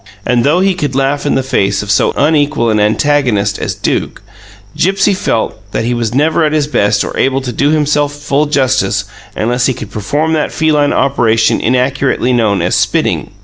And though he could laugh in the face of so unequal an antagonist as Duke, Gipsy felt that he was never at his best or able to do himself full justice unless he could perform that feline operation inaccurately known as "spitting".